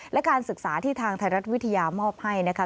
และการศึกษาที่ทางไทยรัฐวิทยามอบให้นะคะ